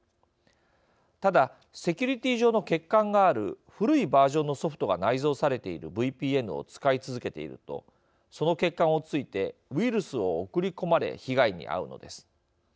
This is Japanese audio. ただセキュリティー上の欠陥がある古いバージョンのソフトが内蔵されているＶＰＮを使い続けているとその欠陥を突いてウイルスを送り込まれ被害にあうのです。